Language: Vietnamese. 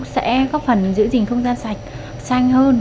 sẽ góp phần giữ gìn không gian sạch xanh hơn